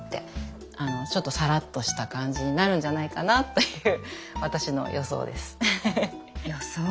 ちょっとサラッとした感じになるんじゃないかなという予想ですか。